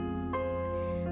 bà diễm phạm nói